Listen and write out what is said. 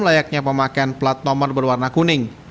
layaknya pemakaian plat nomor berwarna kuning